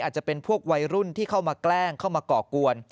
อาจจะเป็นพวกวัยรุ่นที่เข้ามาแกล้งเข้ามาก่อกวน